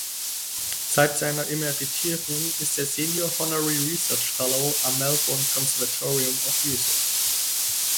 Seit seiner Emeritierung ist er Senior Honorary Research Fellow am Melbourne Conservatorium of Music.